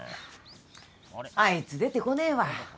あいつ出てこねえわ。